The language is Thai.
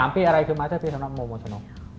๑๓ปีอะไรคือมาสเตอร์พีสธรรมดาโมโมธนม